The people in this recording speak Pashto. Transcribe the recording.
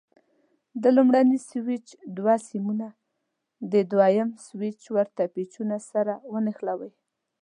د لومړني سویچ دوه سیمونه د دوه یم سویچ ورته پېچونو سره ونښلوئ.